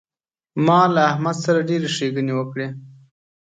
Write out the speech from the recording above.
زه له احمد سره ډېرې ښېګڼې وکړې.